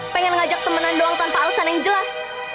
pengen ngajak temenan doang tanpa alasan yang jelas